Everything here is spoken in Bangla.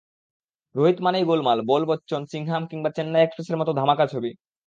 রোহিত মানেই গোলমাল, বোল বচ্চন, সিংহাম কিংবা চেন্নাই এক্সপ্রেস-এর মতো ধামাকা ছবি।